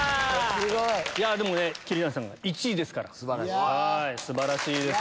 でもね桐谷さん１位ですから。素晴らしいです。